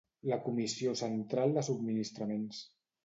La Comissió Central de Subministraments.